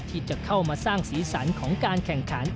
ที่จะเข้ามาสร้างสีสันของการแข่งขัน